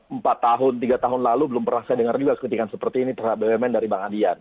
empat tahun tiga tahun lalu belum pernah saya dengar juga kritikan seperti ini terhadap bumn dari bang adian